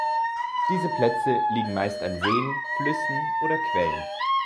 Diese Plätze liegen meist an Seen, Flüssen oder Quellen.